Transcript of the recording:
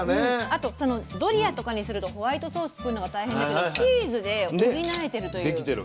あとドリアとかにするとホワイトソース作るのが大変だけどチーズで補えてるという。